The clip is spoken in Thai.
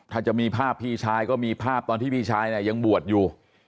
ถ้าจะมีภาพพี่ชายก็มีภาพตอนที่พี่ชายเนี่ยยังบวชอยู่